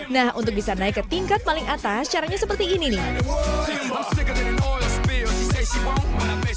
nah untuk bisa naik ke tingkat paling atas caranya seperti ini nih